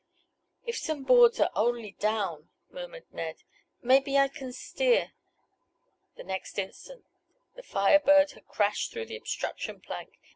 "If some boards are only down!" murmured Ned. "Maybe I can steer—" The next instant the Fire Bird had crashed through the obstruction plank.